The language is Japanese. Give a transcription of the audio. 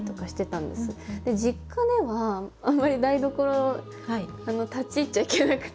実家ではあんまり台所立ち入っちゃいけなくて。